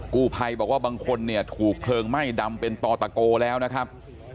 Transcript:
กู้ภัยบอกว่าบางคนเนี่ยถูกเพลิงไหม้ดำเป็นต่อตะโกแล้วนะครับ